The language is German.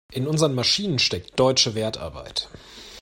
In unseren Maschinen steckt deutsche Wertarbeit.